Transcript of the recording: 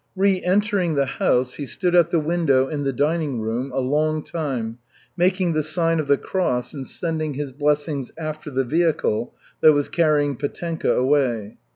Re entering the house, he stood at the window in the dining room a long time making the sign of the cross and sending his blessings after the vehicle that was carrying Petenka away.